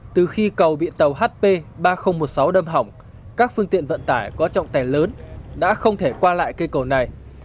từ khi cầu bị tàu hp ba nghìn một mươi sáu đâm hỏng các phương tiện vận tải có trọng tài lớn đã không thể qua lại cây cầu này